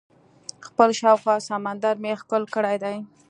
خپل شاوخوا سمندر مې ښکل کړی دئ.